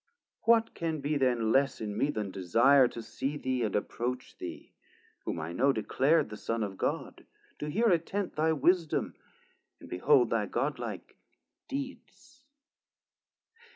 What can be then less in me then desire To see thee and approach thee, whom I know Declar'd the Son of God, to hear attent Thy wisdom, and behold thy God like deeds?